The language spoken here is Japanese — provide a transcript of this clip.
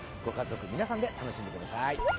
ご家族皆さんで楽しんでください。